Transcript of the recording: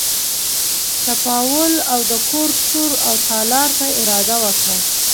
چپاول او د کور چور او تالا ته اراده وکړه.